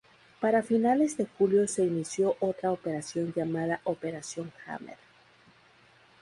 Para finales de julio se inició otra operación llamada "Operación Hammer".